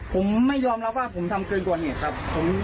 ผมไม่ยอมรับว่าผมทำเกินกว่าเหตุครับ